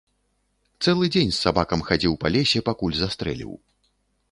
Цэлы дзень з сабакам хадзіў па лесе, пакуль застрэліў.